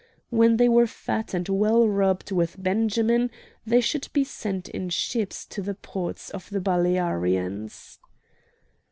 When they were fat and well rubbed with benjamin they should be sent in ships to the ports of the Balearians.